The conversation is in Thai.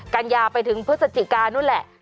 กัญญาไปถึงพฤศจิกานู่นแหละ